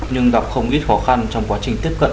nhưng gặp không ít khó khăn trong quá trình tiếp cận